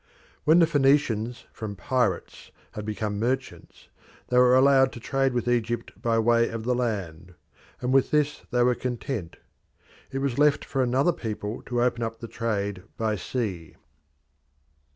When the Phoenicians from pirates had become merchants they were allowed to trade with Egypt by way of the land, and with this they were content. It was left for another people to open up the trade by sea.